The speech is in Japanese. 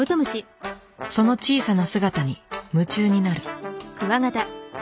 その小さな姿に夢中になる。